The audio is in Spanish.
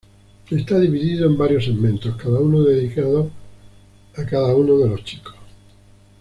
Está dividido en varios segmentos, cada uno dedicado a cada uno de los chicos.